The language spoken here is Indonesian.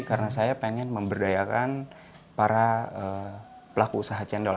karena saya pengen memberdayakan para pelaku usaha cendol